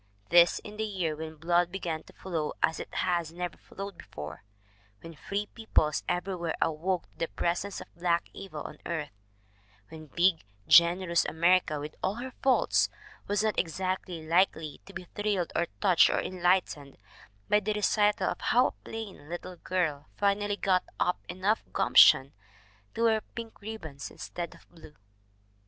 This in the year when blood began to flow as it has never flowed before; when free peoples everywhere awoke to the presence of Black Evil on earth; when big, generous America with all her faults was not exactly likely to be thrilled or touched or enlightened by the recital of how a plain little girl finally got up enough gumption to wear pink ribbons instead of blue.